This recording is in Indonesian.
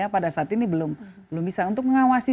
pada saat ini belum bisa untuk mengawasi